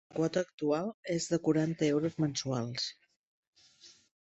La quota actual és de quaranta euros mensuals.